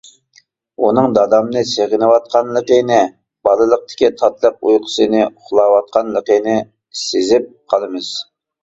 ئۇنىڭ دادامنى سېغىنىۋاتقانلىقىنى، بالىلىقتىكى تاتلىق ئۇيقۇسىنى ئۇخلاۋاتقانلىقىنى سېزىپ قالىمىز.